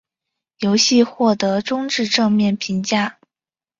游戏获得中至正面评价。